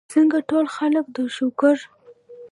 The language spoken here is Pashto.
ځکه ټول خلک د شوګر ،